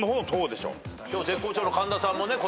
今日絶好調の神田さんもこっち。